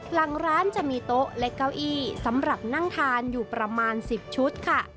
หลังร้านจะมีโต๊ะและเก้าอี้สำหรับนั่งทานอยู่ประมาณ๑๐ชุดค่ะ